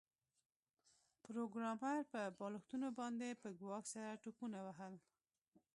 پروګرامر په بالښتونو باندې په ګواښ سره ټوپونه وهل